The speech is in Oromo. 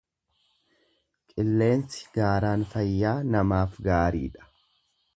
Qilleensi gaaraan fayyaa namaaf gaariidha.